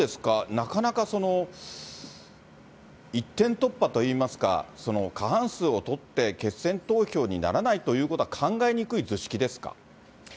なかなか一点突破といいますか、過半数を取って、決選投票にならないということは考えにくい図式ですか。